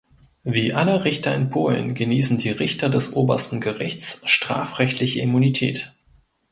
Wie alle Richter in Polen genießen die Richter des Obersten Gerichts strafrechtliche Immunität.